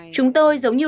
chúng tôi giống như